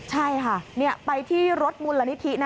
ใช่ค่ะไปที่รถมูลนิธิ